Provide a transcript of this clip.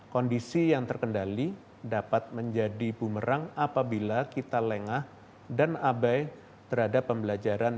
kondisi yang terkendali dapat menjadi bumerang apabila kita lengah dan abai terhadap pembelajaran